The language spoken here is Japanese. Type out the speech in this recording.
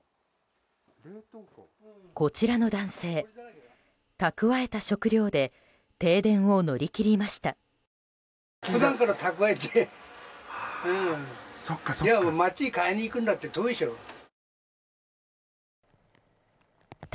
こちらの男性、蓄えた食料で停電を乗り切りました。